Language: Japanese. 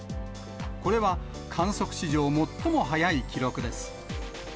これは観測史上最も早い記録です。